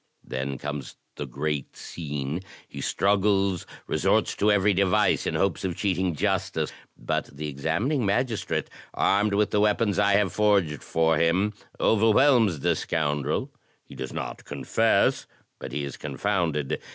Then comes the great scene; he struggles, resorts to every device in hopes of cheating justice; but the examining magistrate, armed with the weapons I have forged for him, overwhelms the scoundrel; he does not confess, but he is confounded.